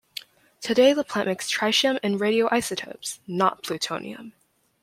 Today the plant makes tritium and radioisotopes, not plutonium.